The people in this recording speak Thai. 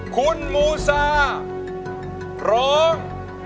คุณมูซาร้อง